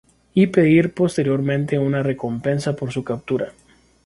Y pedir posteriormente una recompensa por su captura.